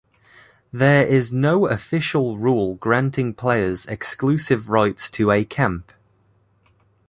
There is no official rule granting players exclusive rights to a camp.